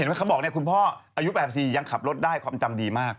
อายุ๘๔ยังขับรถได้ความจำดีมาก